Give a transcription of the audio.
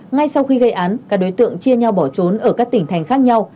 ngay sau khi gây án các đối tượng chia nhau bỏ trốn ở các tỉnh thành khác nhau